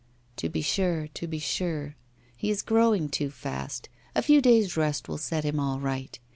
'To be sure, to be sure; he is growing too fast. A few days' rest will set him all right.